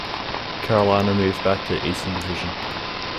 Carolina moved back to Eastern Division.